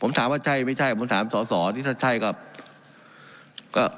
ผมถามว่าใช่ไม่ใช่ผมถามสอสอนี่ถ้าใช่ก็